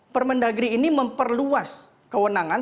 permendagri ini memperluas kewenangan